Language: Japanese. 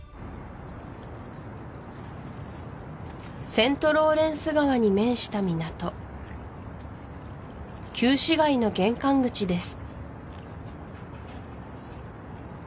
セントローレンス川に面した港旧市街の玄関口です